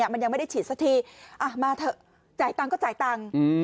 มันยังไม่ได้ฉีดสักทีมาเถอะจ่ายตังค์ก็จ่ายตังค์